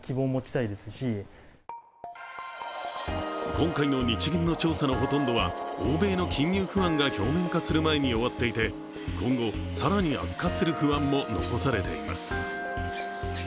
今回の日銀の調査のほとんどは欧米の金融不安が表面化する前に終わっていて今後、更に悪化する不安も残されています。